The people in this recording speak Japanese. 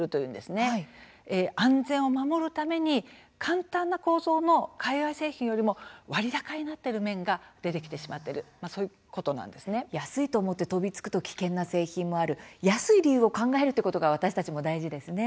安全を守るために簡単な構造の海外製品よりも割高になっている面が出てきてしまっている安いと思って飛びつくと危険な製品もある安い理由を考えるということが私たちも大事ですね。